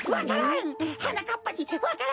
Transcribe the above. わか蘭！